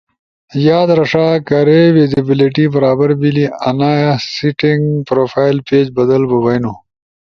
یاد رݜا: کارے ویسیبیلیٹی برابر بیلی، انا سیٹینگ پروفائل پیج بدل بو بھئینو